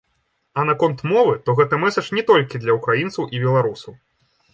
А наконт мовы, то гэты мэсадж не толькі для ўкраінцаў і беларусаў!